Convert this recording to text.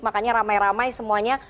makanya ramai ramai semuanya